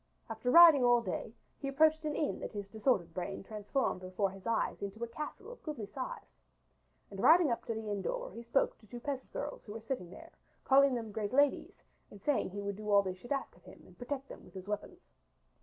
After riding all day, he approached an inn that his disordered brain transformed before his eyes into a castle of goodly size, and riding up to the inn door he spoke to two peasant girls who were sitting there, calling them great ladies and saying that he would do all that they should ask of him and protect them with his weapons.